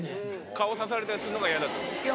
顔さされたりするのが嫌だってことですか？